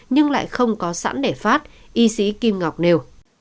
nhưng lại không có sẵn để phát y sĩ kim ngọc nêu